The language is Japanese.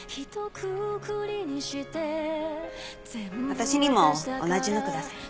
私にも同じのください。